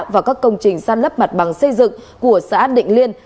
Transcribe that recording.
và các công trình săn lấp mặt bằng xây dựng của xã định liên